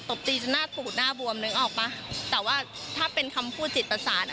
ตบตีจนหน้าปูดหน้าบวมนึกออกป่ะแต่ว่าถ้าเป็นคำพูดจิตประสานอ่ะ